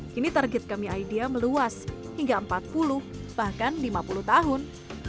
kini target kami idea meluas hingga empat puluh bahkan lima puluh tahun